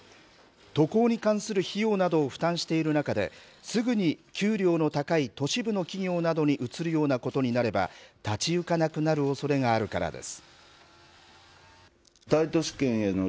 渡航に関する費用などを負担している中で、すぐに給料の高い都市部の企業などに移るようなことになれば、立ち行かなくなるおそれがあるからです。